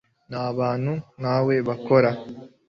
Nabantu nkawe bakora